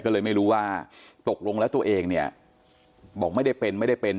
ก็เลยไม่รู้ว่าตกลงแล้วตัวเองเนี่ยบอกไม่ได้เป็นไม่ได้เป็น